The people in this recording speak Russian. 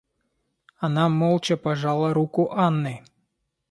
Она молча пожала руку Анны.